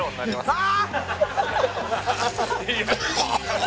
ああ。